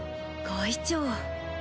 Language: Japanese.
会長。